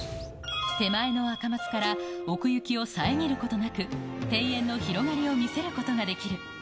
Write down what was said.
手前の赤松から、奥行きを遮ることなく、庭園の広がりを見せることができる。